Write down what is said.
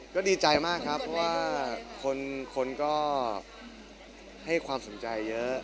ก็ดีใจมากครับเพราะว่าคนก็ให้ความสนใจเยอะ